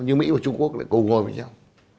như mỹ và trung quốc lại cùng ngồi với nhau